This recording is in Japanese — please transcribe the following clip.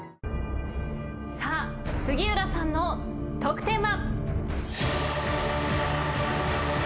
さあ杉浦さんの得点は？